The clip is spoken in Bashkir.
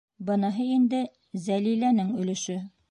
— Быныһы инде Зәлиләнең өлөшө.